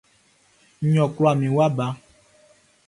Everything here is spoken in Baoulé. Nʼyo wɔ kula mi wa bla.